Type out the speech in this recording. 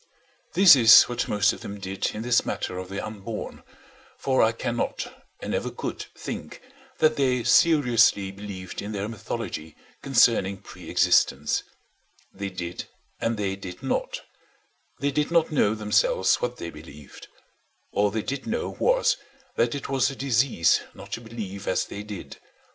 This is what most of them did in this matter of the unborn, for I cannot (and never could) think that they seriously believed in their mythology concerning pre existence: they did and they did not; they did not know themselves what they believed; all they did know was that it was a disease not to believe as they did.